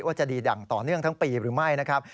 ว่าจะดีดั่งต่อเนื่องทั้งปีหรือไม่นะครับ